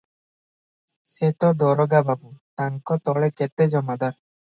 ସେ ତ ଦରୋଗା ବାବୁ, ତାଙ୍କ ତଳେ କେତେ ଜମାଦାର ।